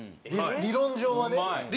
理論上はね。